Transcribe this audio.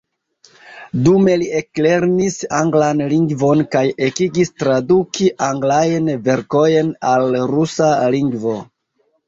Dume li eklernis anglan lingvon kaj ekigis traduki anglajn verkojn al rusa lingvo.